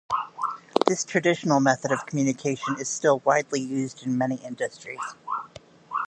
This traditional method of communication is still widely used in many industries.